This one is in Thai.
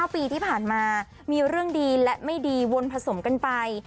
ปีที่ผ่านมามีเรื่องดีและไม่ดีวนผสมกันไป